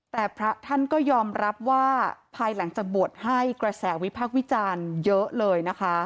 แต่พระท่านก็ยอมรับว่าภายหลังจากบวชให้กระแสวิพักษ์วิจารณ์เยอะเลยนะคะ